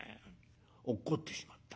落っこってしまった。